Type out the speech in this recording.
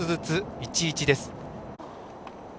１−１です。